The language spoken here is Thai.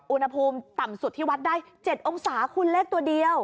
อุณหภูมิต่ำสุดที่วัดได้๗องศาคุณเลขตัวเดียว